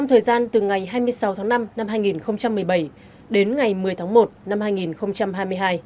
trong thời gian từ ngày hai mươi sáu tháng năm năm hai nghìn một mươi bảy đến ngày một mươi tháng một năm hai nghìn hai mươi hai